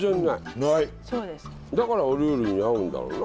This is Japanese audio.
だからお料理に合うんだろうな。